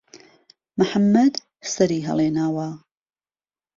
محەممەد سهری ههڵێناوه